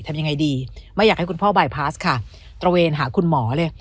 ทำยังไงดีไม่อยากให้คุณพ่อบายพาสค่ะตระเวนหาคุณหมอเลย